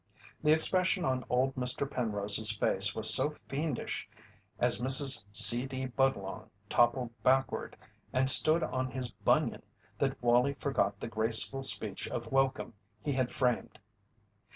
The expression on old Mr. Penrose's face was so fiendish as Mrs. C. D. Budlong toppled backward and stood on his bunion that Wallie forgot the graceful speech of welcome he had framed.